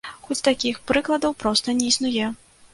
Хоць такіх прыкладаў проста не існуе.